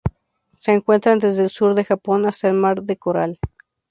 Se encuentran desde el sur de Japón hasta el mar del Coral.